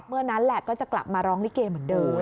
นั่นแหละก็จะกลับมาร้องลิเกเหมือนเดิม